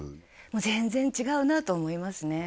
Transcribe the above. もう全然違うなと思いますね